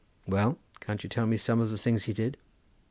Well, can't you tell me some of the things he did?"